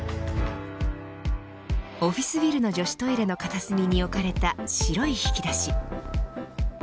オフィスビルの女子トイレの片隅に置かれた白い引き出し。